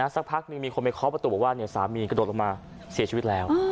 สักพักหนึ่งมีคนไปเคาะประตูบอกว่าสามีกระโดดลงมาเสียชีวิตแล้ว